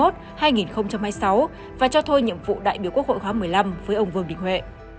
nhiệm ký hai nghìn hai mươi một hai nghìn hai mươi sáu và cho thôi nhiệm vụ đại biểu quốc hội khóa một mươi năm với ông vương đình huệ